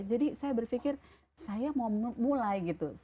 jadi saya berfikir saya mau mulai gitu